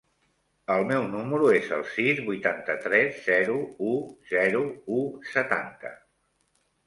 El meu número es el sis, vuitanta-tres, zero, u, zero, u, setanta.